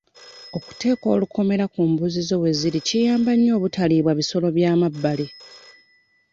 Okuteeka olukomera ku mbuzi zo we ziri kiyamba nnyo obutaliibwa bisolo by'emabbali.